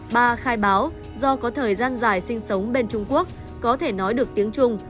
ba khai báo do có thời gian dài sinh sống bên trung quốc có thể nói được tiếng trung